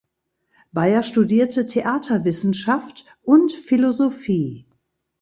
Beier studierte Theaterwissenschaft und Philosophie.